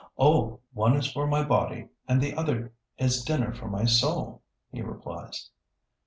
"Oh, one is for my body, and the other is dinner for my soul," he replies.